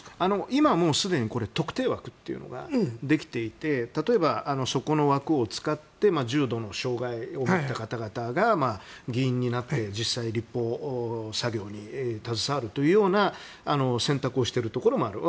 今もうすでに特定枠というのができていて例えば、その枠を使って重度の障害を持った方々が議員になって実際に立法作業に携わるというような選択をしているところもある。